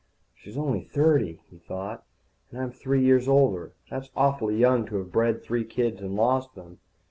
She's only thirty, he thought, _and I'm three years older. That's awfully young to have bred three kids and lost them.